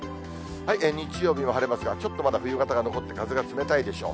日曜日も晴れますが、ちょっとまだ冬型が残って風が冷たいでしょう。